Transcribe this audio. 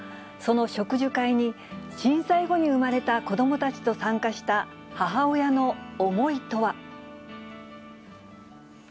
その植樹会に、震災後に生まれた子どもたちと参加した母親の思いとは。